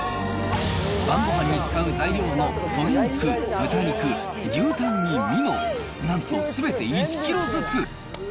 晩ごはんに使う材料の鶏肉、豚肉、牛タンにミノ、なんとすべて１キロずつ。